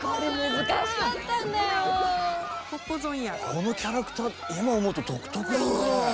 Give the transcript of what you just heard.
このキャラクター今思うと独特ですね。